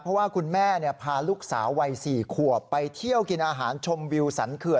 เพราะว่าคุณแม่พาลูกสาววัย๔ขวบไปเที่ยวกินอาหารชมวิวสันเขื่อน